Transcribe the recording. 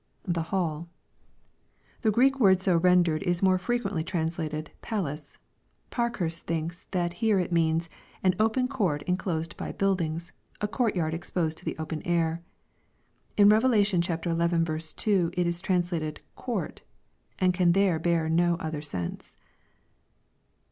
[T%e hcUL] The Grreek word so rendered is more frequently translated "palace." Parkhurst thinks that here it means, "an open court inclosed by buildings, — a court yard exposed to the open air." In Rev. xi. 2, it is translated "court," and can there bear no other sense.